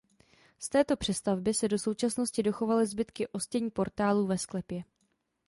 Z této přestavby se do současnosti dochovaly zbytky ostění portálů ve sklepě.